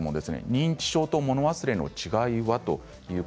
認知症と物忘れの違いは？